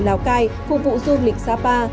lào cai phục vụ du lịch sapa